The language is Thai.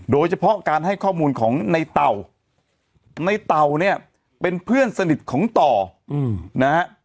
โดยเฉพาะการให้ข้อมูลของในเต่าในเต่าเนี่ยเป็นเพื่อนสนิทของต่อนะฮะ